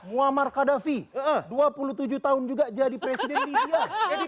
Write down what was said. muammar gaddafi dua puluh tujuh tahun juga jadi presiden libya